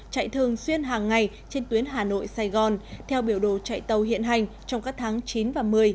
chạy thường xuyên hàng ngày trên tuyến hà nội sài gòn theo biểu đồ chạy tàu hiện hành trong các tháng chín và một mươi